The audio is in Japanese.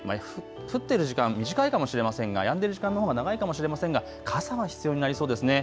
降っている時間、短いかもしれませんが、やんでる時間のほうが長いかもしれませんが傘が必要になりそうですね。